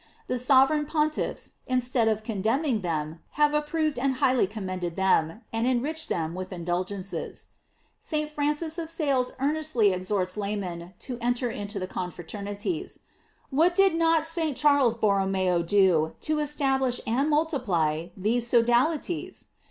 The sovereign pontiffs, instead of con demning them, have approved and highly com mended them, and enriched them with indul gences. St. Francis of Sales earnestly exhorts laymen to enter into the confraternities. What did not St. Charles Borromeo do to establish and multiply these sodalities